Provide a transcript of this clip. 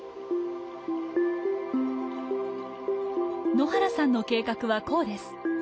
野原さんの計画はこうです。